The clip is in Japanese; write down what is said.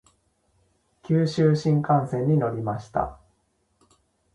九州新幹線に乗りました。